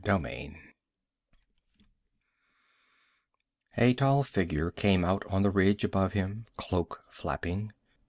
A tall figure came out on the ridge above him, cloak flapping.